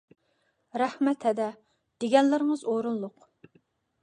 رەھمەت ھەدە! دېگەنلىرىڭىز ئورۇنلۇق.